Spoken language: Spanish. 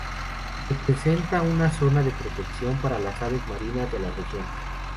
Representa una zona de protección para las aves marinas de la región.